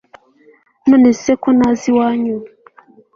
nonese ko ntaza iwanyu